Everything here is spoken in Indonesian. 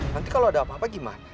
nanti kalau ada apa apa gimana